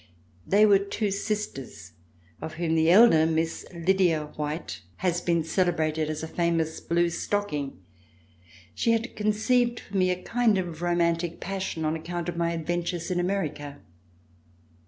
They were two sisters, of whom the elder. Miss Lydia White, has been celebrated as a famous "Blue Stocking." She had conceived for me a kind of romantic passion, on account of my adventures in America.